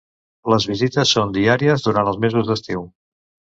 Les visites són diàries durant els mesos d'estiu.